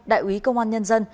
đại quý công an nhân dân